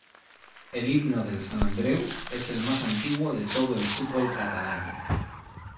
El himno del Sant Andreu es el más antiguo de todo el fútbol catalán.